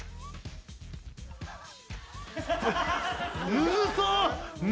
むずそう！